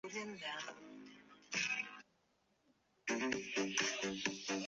该运动制造了大量冤假错案。